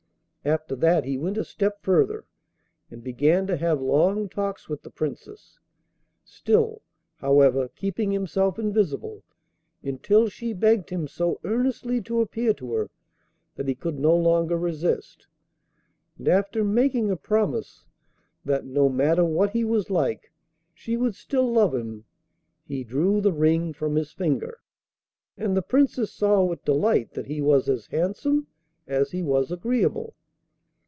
After that he went a step further and began to have long talks with the Princess still, however, keeping himself invisible, until she begged him so earnestly to appear to her that he could no longer resist, and after making her promise that, no matter what he was like, she would still love him, he drew the ring from his finger, and the Princess saw with delight that he was as handsome as he was agreeable.